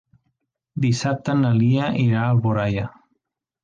Dissabte na Lia irà a Alboraia.